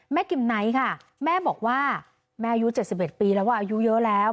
กิมไนท์ค่ะแม่บอกว่าแม่อายุ๗๑ปีแล้วอายุเยอะแล้ว